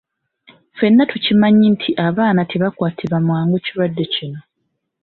Ffenna tukimanyi nti abaana tebakwatibwa mangu kirwadde kino.